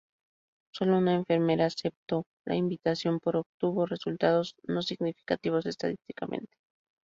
Sólo una enfermera aceptó la invitación, pero obtuvo resultados no significativos estadísticamente.